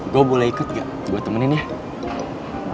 gue boleh ikut gak buat temenin ya